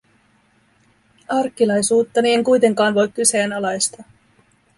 Arkkilaisuuttani en kuitenkaan voi kyseenalaistaa.